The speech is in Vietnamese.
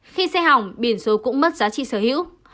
khi xe hỏng biển số cũng mất giá trị sở hữu